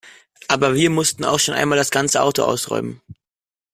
Aber wir mussten auch schon einmal das ganze Auto ausräumen.